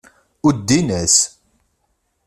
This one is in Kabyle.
Uddin-as.